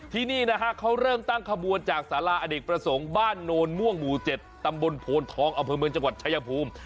ที่นี่นะฮะเขาเริ่มตั้งขบวนจากสาราอเนกประสงค์บ้านโนนม่วงหมู่๗ตำบลโพนทองอำเภอเมืองจังหวัดชายภูมิ